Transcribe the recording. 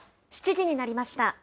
７時になりました。